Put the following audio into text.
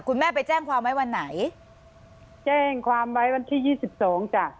คุณแม่ไปแจ้งความไว้วันไหนแจ้งความไว้วันที่ยี่สิบสองจ้ะ